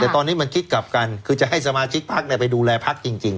แต่ตอนนี้มันคิดกลับกันคือจะให้สมาชิกพักไปดูแลพักจริง